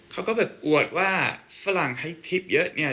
เขาก็อวดว่าฝรั่งให้ทิพย์เยอะ